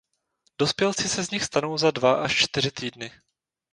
Dospělci se z nich stanou za dva až čtyři týdny.